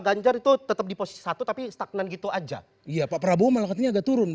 ganjar itu tetap di posisi satu tapi stagnan gitu aja iya pak prabowo malah katanya agak turun